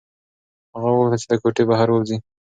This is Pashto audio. هغه غوښتل چې له کوټې بهر ووځي.